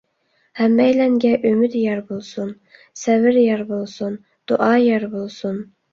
ھەممەيلەنگە ئۈمىد يار بولسۇن، سەۋر يار بولسۇن، دۇئا يار بولسۇن!